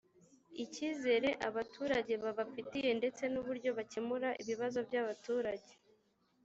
icyizere abaturage babafitiye ndetse n uburyo bakemura ibibazo by abaturage